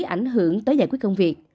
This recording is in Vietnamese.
ảnh hưởng tới giải quyết công việc